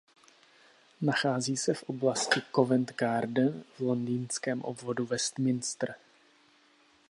Nachází se v oblasti Covent Garden v Londýnském obvodu Westminster.